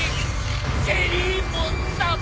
ジェリーモンさま。